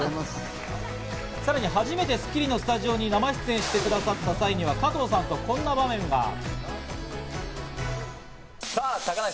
さらに初めて『スッキリ』のスタジオに生出演してくださった時には加藤さんと、こんな場面が。